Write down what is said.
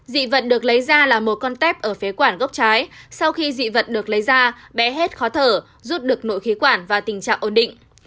dị vật được lấy ra là một con tép ở phế quản gốc trái sau khi dị vật được lấy ra bé hết khó thở rút được nội khí quản và tình trạng ổn định